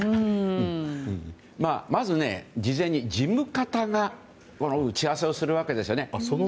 まず、事前に事務方が打ち合わせをするわけです。